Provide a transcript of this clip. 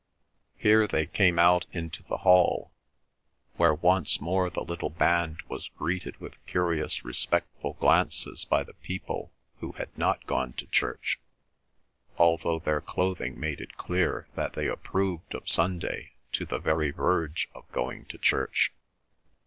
Here they came out into the hall, where once more the little band was greeted with curious respectful glances by the people who had not gone to church, although their clothing made it clear that they approved of Sunday to the very verge of going to church.